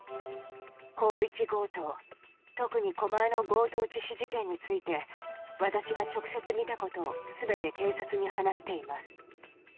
広域強盗、特に狛江の強盗致死事件について、私が直接見たことを、すべて警察に話しています。